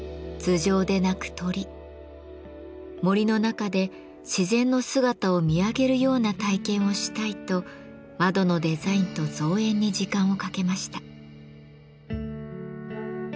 「森の中で自然の姿を見上げるような体験をしたい」と窓のデザインと造園に時間をかけました。